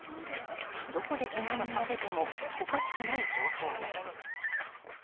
どこでけが人が出てもおかしくない状況です。